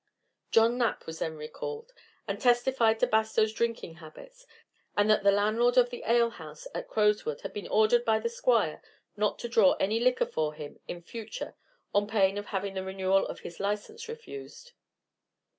John Knapp was then recalled, and testified to Bastow's drinking habits, and that the landlord of the alehouse at Crowswood had been ordered by the Squire not to draw any liquor for him in future on pain of having the renewal of his license refused.